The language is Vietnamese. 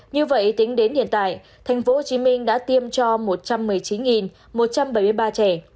như vậy tính đến hiện tại tp hcm đã tiêm cho một trăm một mươi chín một trăm bảy mươi ba trẻ